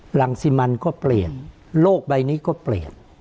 หลังสิมันก็เปลี่ยนโลกใบนี้ก็เปลี่ยน